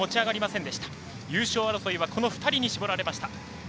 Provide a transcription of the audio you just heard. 優勝争いはこの２人になりました。